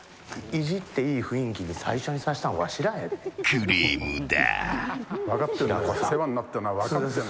クレームだ。